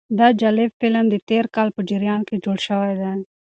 دا جالب فلم د تېر کال په جریان کې جوړ شوی دی.